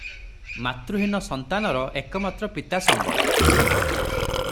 ମାତୃହୀନ ସନ୍ତାନର ଏକମାତ୍ର ପିତା ସମ୍ବଳ ।